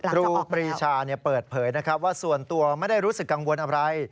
ครูปรีชาเปิดเผยนะครับว่าส่วนตัวไม่ได้รู้สึกกังวลอะไร